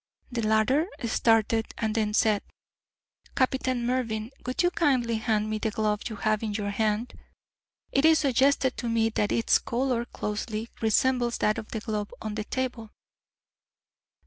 The latter started, and then said, "Captain Mervyn, would you kindly hand me the glove you have in your hand. It is suggested to me that its colour closely resembles that of the glove on the table."